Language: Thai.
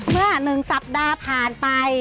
เมื่อหนึ่งสัปดาห์ผ่านไป